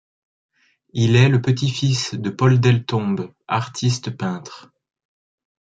Il est le petit-fils de Paul Deltombe, artiste peintre.